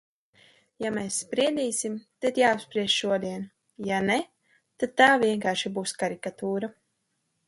Ja mēs spriedīsim, tad jāapspriež šodien, ja ne, tad tā vienkārši būs karikatūra.